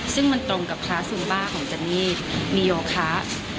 ซึ่งมันตรงกับคลาสซุมบ้าของเจนนี่มีโยคะ